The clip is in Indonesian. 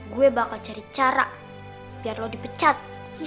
gue bakal cari cara biar lo dipecat